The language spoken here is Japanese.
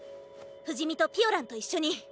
不死身とピオランと一緒に！